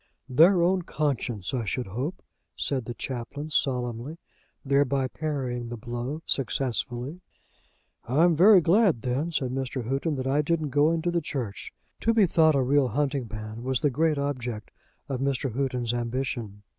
"Their own conscience, I should hope," said the Chaplain, solemnly, thereby parrying the blow successfully. "I am very glad, then," said Mr. Houghton, "that I didn't go into the Church." To be thought a real hunting man was the great object of Mr. Houghton's ambition.